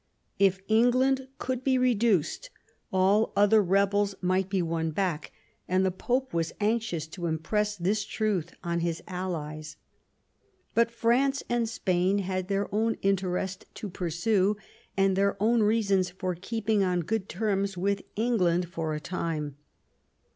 If Gngland could be reduced, all other rebels might be won back ; and the Pope was anxious to impress this truth on his allies. But France and Spain had their own interest to pursue, and their own reasons for keeping on good terms with England for a time.